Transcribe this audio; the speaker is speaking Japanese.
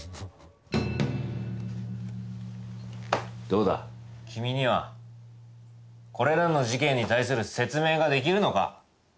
どうだ君にはこれらの事件に対する説明ができるのか？